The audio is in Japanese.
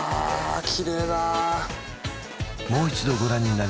きれいだ